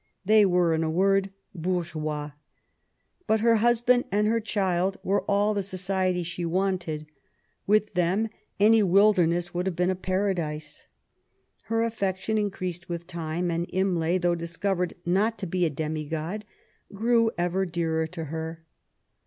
They were, in a word, bourgeois. But her husband;^ and child were all the society she wanted. With them any wilderness would have been a paradise. Her affection increased with time, and Imlay, though discovered not to be a demigod, grew ever dearer to her.